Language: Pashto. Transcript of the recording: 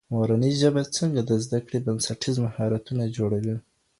مورنۍ ژبه څنګه د زده کړې بنسټيز مهارتونه جوړوي؟